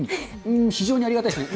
非常にありがたいですね。